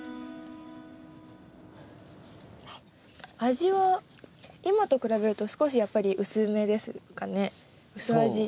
味は今と比べると少しやっぱり薄めですかね薄味。